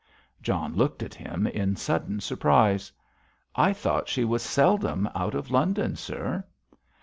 John looked at him in sudden surprise. "I thought she was seldom out of London, sir."